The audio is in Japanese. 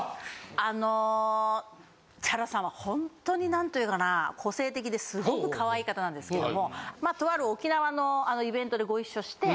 あのＣＨＡＲＡさんはホントに何て言うのかなあ個性的ですごくかわいい方なんですけどもとある沖縄のイベントでご一緒して。